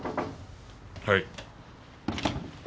はい。